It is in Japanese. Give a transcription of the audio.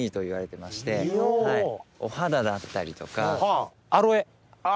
お肌だったりとか。